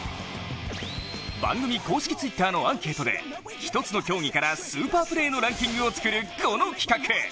番組公式Ｔｗｉｔｔｅｒのアンケートで一つの競技からスーパープレーのランキングを作るこの企画。